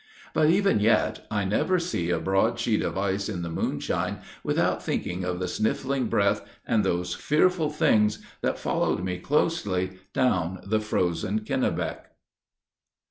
But, even yet, I never see a broad sheet of ice in the moonshine, without thinking of the sniffling breath, and those fearful things that followed me closely down the frozen Kennebec."